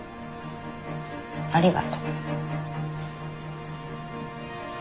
ありがと。